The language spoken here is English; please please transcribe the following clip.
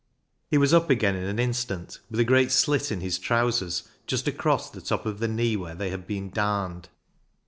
He was up again in an instant with a great slit in his trousers, just across the top of the knee where they had been darned.